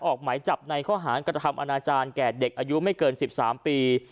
ออกหมายจับในข้อหารกระทำอนาจารย์แก่เด็กอายุไม่เกิน๑๓ปี